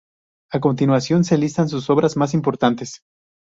A continuación se listan sus obras más importantes.